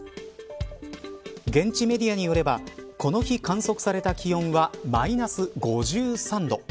現地メディアによればこの日観測された気温はマイナス５３度。